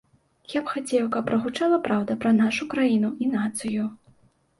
Я б хацеў, каб прагучала праўда пра нашу краіну і нацыю.